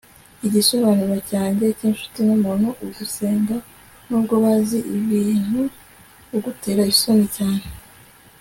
igisobanuro cyanjye cyinshuti numuntu ugusenga nubwo bazi ibintu ugutera isoni cyane